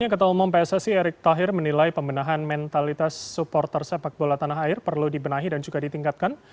ketua umum pssi erick thohir menilai pembenahan mentalitas supporter sepak bola tanah air perlu dibenahi dan juga ditingkatkan